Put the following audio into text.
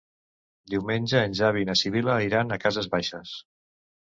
Diumenge en Xavi i na Sibil·la iran a Cases Baixes.